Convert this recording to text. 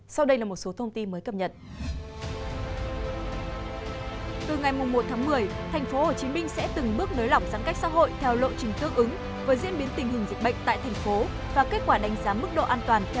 sau đây là một số thông tin mới cập nhật